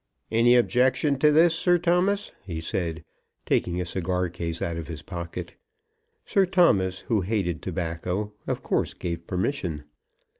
"Any objection to this, Sir Thomas?" he said, taking a cigar case out of his pocket. Sir Thomas, who hated tobacco, of course gave permission.